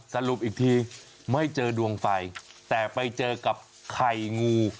สรุปอีกทีไม่เจอดวงไฟแต่ไปเจอกับไข่งู